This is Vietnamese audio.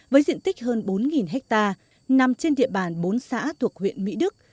với diện tích hơn bốn hectare nằm trên địa bàn bốn xã thuộc huyện mỹ đức